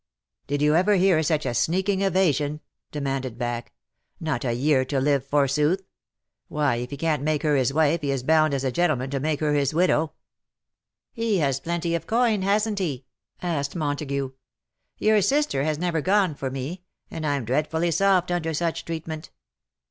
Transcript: '*^Did you ever hear such a sneaking evasion?" demanded Jack. '^ Not a year to live forsooth. Why if he can't make her his wife he is bound as a gentleman to make her his widow." 272 ^^ WHO KNOWS NOT CIRCE ?" '^He has plenty of coiiij hasn^t he?" asked Montague. ^' Your sister has never gone for me — and Fm dreadfully soft under such treatment.